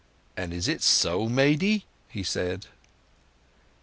And is it so, maidy?" he said.